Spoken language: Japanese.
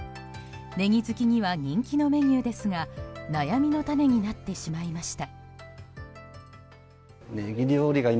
ネギ好きには人気のメニューですが悩みの種になってしまいました。